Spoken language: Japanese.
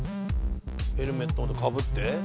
ヘルメットかぶって」